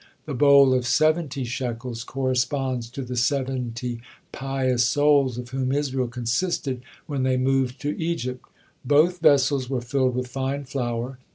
The bowl of seventy shekels corresponds to the seventy pious souls of whom Israel consisted when they moved to Egypt. Both vessels were filled with fine flour.